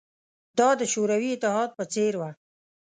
دا د شوروي اتحاد په څېر وه